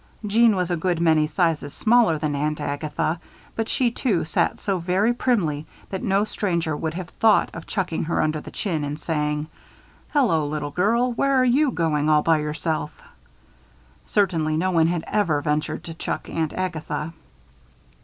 Jeanne was a good many sizes smaller than Aunt Agatha, but she, too, sat so very primly that no stranger would have thought of chucking her under the chin and saying: "Hello, little girl, where are you going all by yourself?" Certainly no one had ever ventured to "chuck" Aunt Agatha.